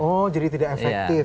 oh jadi tidak efektif